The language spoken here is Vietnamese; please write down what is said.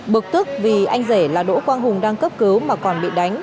bực tức vì anh rể là đỗ quang hùng đang cấp cứu mà còn bị đánh